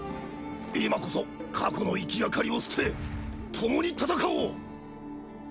今こそ過去のいきがかりを捨てともに戦おう！